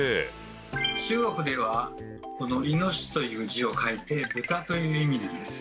中国ではこの「猪」という字を書いて「豚」という意味なんです。